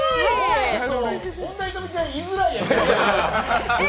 本田仁美ちゃん、居づらいやろ。